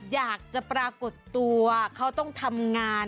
อยากจะปรากฏตัวเขาต้องทำงาน